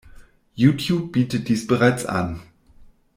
Youtube bietet dies bereits an.